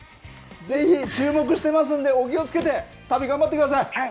ぜひ注目してますんで、お気をつけて、旅、頑張ってください。